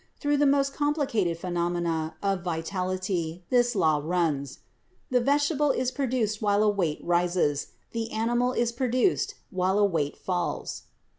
Through the most complicated phenomena of vitality this law runs : the vegetable is produced while a weight rises, the animal is produced while a weight falls.